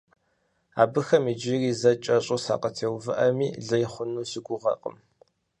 Абыхэм иджыри зэ кӀэщӀу сакъытеувыӀэми лей хъуну си гугъэкъым.